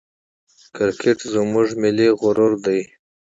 کرکټ زموږ ملي غرور دئ.